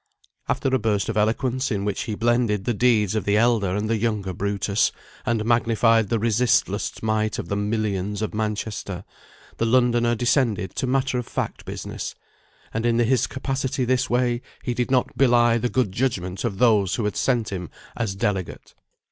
After a burst of eloquence, in which he blended the deeds of the elder and the younger Brutus, and magnified the resistless might of the "millions of Manchester," the Londoner descended to matter of fact business, and in his capacity this way he did not belie the good judgment of those who had sent him as delegate.